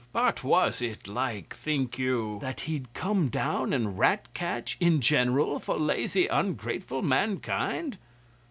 But was it like, think you, that he'd come down and rat catch in general for lazy, ungrateful mankind?